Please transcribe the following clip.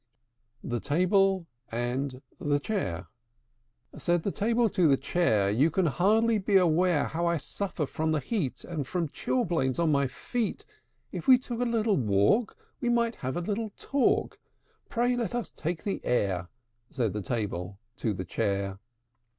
THE TABLE AND THE CHAIR. I. Said the Table to the Chair, "You can hardly be aware How I suffer from the heat And from chilblains on my feet. If we took a little walk, We might have a little talk; Pray let us take the air," Said the Table to the Chair.